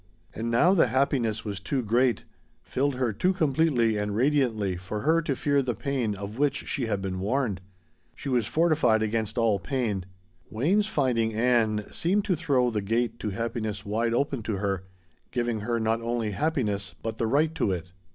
And now the happiness was too great, filled her too completely and radiantly for her to fear the pain of which she had been warned. She was fortified against all pain. Wayne's finding Ann seemed to throw the gate to happiness wide open to her, giving her, not only happiness, but the right to it.